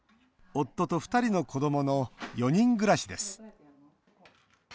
夫と２人の子どもの４人暮らしです。